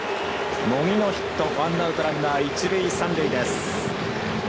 茂木のヒット、ワンアウトランナー、一塁三塁です。